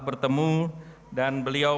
bertemu dan beliau